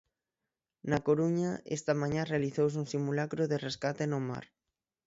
Na Coruña, esta mañá realizouse un simulacro de rescate no mar.